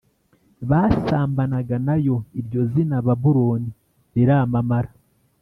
basambanaga na yo Iryo zina Babuloni riramamara